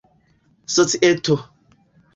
societo